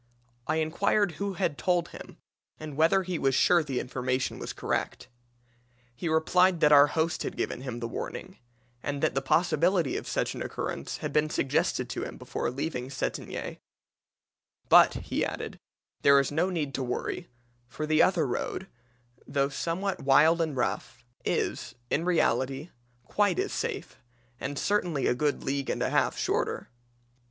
I inquired who had told him and whether he was sure the information was correct. He replied that our host had given him the warning, and that the possibility of such an occurrence had been suggested to him before leaving Cetinge. 'But,' he added, 'there is no need to worry, for the other road, though somewhat wild and rough, is, in reality, quite as safe, and certainly a good league and a half shorter.'